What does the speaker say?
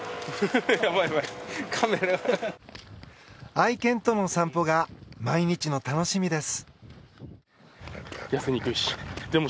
愛犬との散歩が毎日の楽しみです。